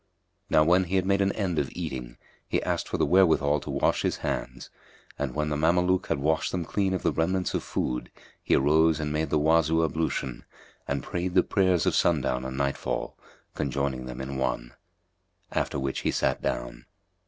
Now when he had made an end of eating, he asked for the wherewithal to wash his hands and when the Mameluke had washed them clean of the remnants of food, he arose and made the Wuzu ablution and prayed the prayers of sundown and nightfall, conjoining them in one; after which he sat down.